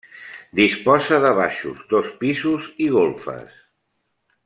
Disposa de baixos, dos pisos i golfes.